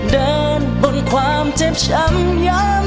เดินบนความเจ็บช้ำยำ